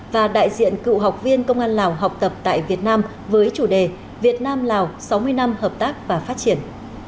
và đại diện cựu học viên công an lào học tập tại việt nam với chủ đề việt nam lào sáu mươi năm hợp tác và phát triển